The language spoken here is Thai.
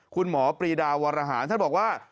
คุณหมอปรีดาวรหารท่านบอกว่า